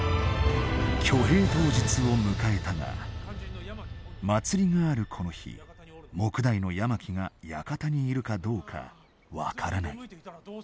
挙兵当日を迎えたが祭りがあるこの日目代の山木が館にいるかどうか分からない。